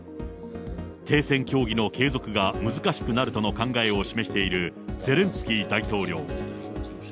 停戦協議の継続が難しくなるとの考えを示しているゼレンスキー大統領。